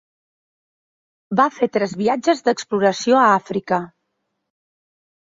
Va fer tres viatges d'exploració a Àfrica.